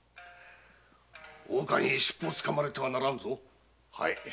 大岡にしっぽをつかまれてはならんぞ。